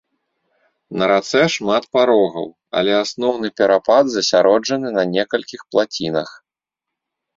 На рацэ шмат парогаў, але асноўны перапад засяроджаны на некалькіх плацінах.